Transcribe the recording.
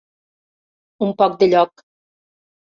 Un poc de lloc.